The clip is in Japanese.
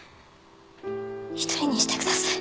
一人にしてください。